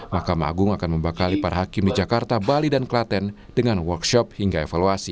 mahkamah agung akan membekali para hakim di jakarta bali dan klaten dengan workshop hingga evaluasi